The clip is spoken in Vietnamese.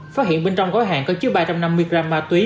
phát hiện bên trong gói hàng có chứa ba trăm năm mươi gram ma túy